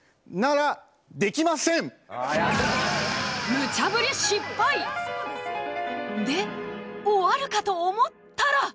ムチャぶり失敗で終わるかと思ったら！